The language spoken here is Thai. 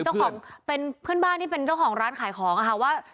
เจ้าของเป็นเพื่อนบ้านที่เป็นเจ้าของร้านขายของค่ะว่า